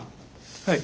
はい。